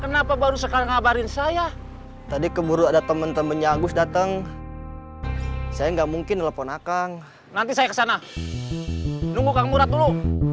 nunggu kang murad dulu